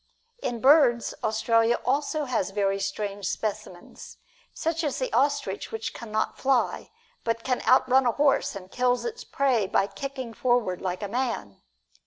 In birds, Australia has also very strange specimens, such as the ostrich which can not fly, but can outrun a horse and kills its prey by kicking forward like a man.